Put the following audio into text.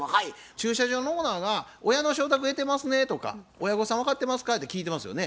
駐車場のオーナーが「親の承諾得てますね？」とか「親御さん分かってますか？」って聞いてますよね